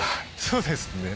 そうですね